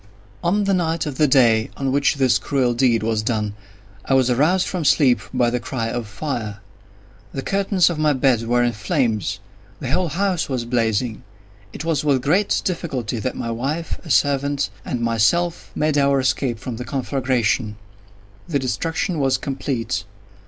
On the night of the day on which this cruel deed was done, I was aroused from sleep by the cry of fire. The curtains of my bed were in flames. The whole house was blazing. It was with great difficulty that my wife, a servant, and myself, made our escape from the conflagration. The destruction was complete.